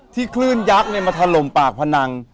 ที่คลื่นยักษ์ในมะธารมปากพะหนัง